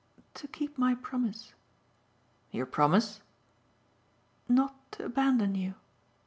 "To keep my promise." "Your promise?" "Not to abandon you."